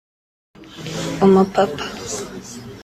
umupapa